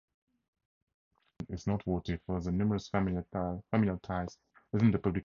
The "Sunday Independent" is noteworthy for the numerous familial ties within the publication.